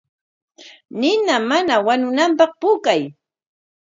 Nina mana wañunanpaq puukay.